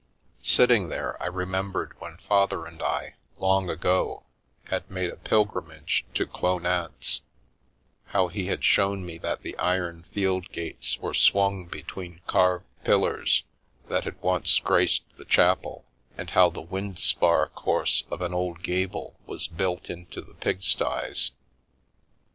Sitting there, I remembered when Father and I, long ago, had made a pilgrimage to Clownance, how he had shown me that the iron field gates were swung between carved pillars that had once graced the chapel, and how the windspar course of an old gable was built into the pig sties.